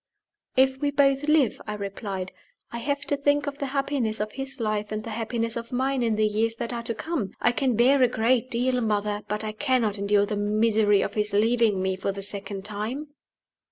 "If we both live," I replied, "I have to think of the happiness of his life and the happiness of mine in the years that are to come. I can bear a great deal, mother, but I cannot endure the misery of his leaving me for the second time."